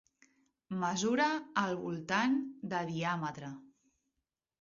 Mesura al voltant de diàmetre.